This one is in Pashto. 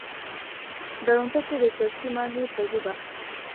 درونټه کې د چرسي ماهي پزي به